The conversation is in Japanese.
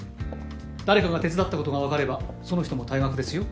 誰かが手伝ったことが分かればその人も退学ですよ。